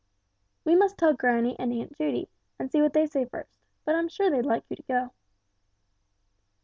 "We must tell granny and Aunt Judy, and see what they say first. But I'm sure they'd like you to go."